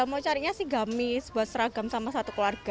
mau carinya sih gamis buat seragam sama satu keluarga